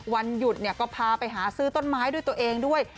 วันหยุดก็พาไปหาซื้อต้นไม้ด้วยตัวเองด้วย